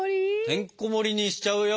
てんこもりにしちゃうよ